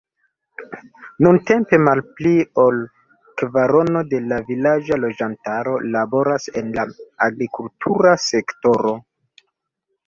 Nuntempe malpli ol kvarono de la vilaĝa loĝantaro laboras en la agrikultura sektoro.